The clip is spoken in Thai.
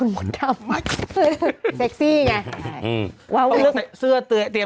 นี่